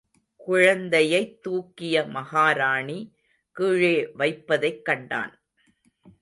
குழந்தையைத் தூக்கிய மகாராணி, கீழே வைப்பதைக் கண்டான்.